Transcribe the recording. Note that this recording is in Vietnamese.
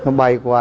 nó bay qua